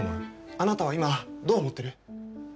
あなたは今、どう思ってる？